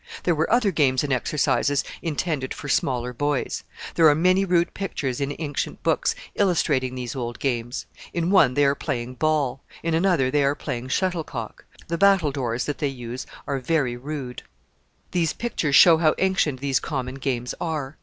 There were other games and exercises intended for smaller boys. There are many rude pictures in ancient books illustrating these old games. In one they are playing ball; in another they are playing shuttle cock. The battle doors that they use are very rude. [Illustration: PLAYING BALL.] These pictures show how ancient these common games are.